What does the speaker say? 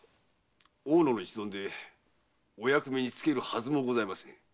大野の一存でお役目につけるはずもございません。